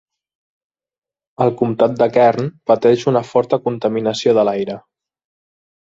El comtat de Kern pateix una forta contaminació de l'aire.